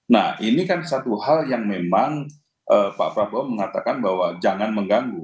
nah ini kan satu hal yang memang pak prabowo mengatakan bahwa jangan mengganggu